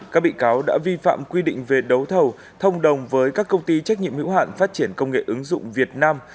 các bị cáo đã vi phạm quy định về đấu thầu thông đồng với các công ty trách nhiệm hữu hạn phát triển công nghệ ứng dụng việt nam